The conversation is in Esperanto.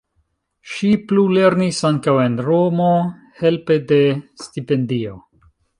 Ŝi plulernis ankaŭ en Romo helpe de stipendio.